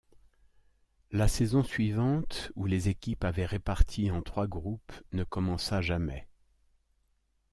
La saison suivante, où les équipes avaient réparties en trois groupes, ne commença jamais.